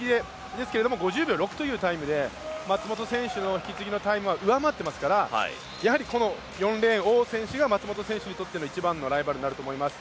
５６秒６というタイムで松元選手の引き継ぎのタイムは上回っていますから、４レーン王選手が、松元選手にとっての一番のライバルになると思います。